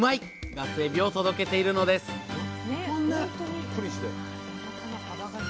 ガスエビを届けているのですうわ